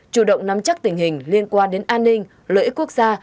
chủ động nắm chắc tình hình liên quan đến an ninh lợi ích quốc gia